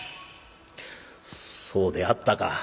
「そうであったか。